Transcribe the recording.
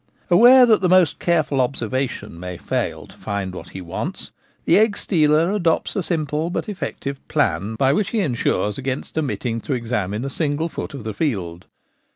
Aware that the most careful observation may fail to find what he wants, the egg stealer adopts a simple but effective plan by which he ensures against omit ting to examine a single foot of the field.